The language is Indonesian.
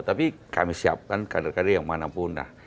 tapi kami siapkan kader kader yang manapun